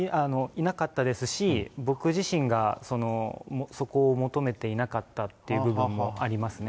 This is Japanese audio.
いなかったですし、僕自身が、そこを求めていなかったっていう部分もありますね。